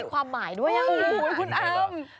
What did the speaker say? มีความหมายด้วยคุณอ้ำ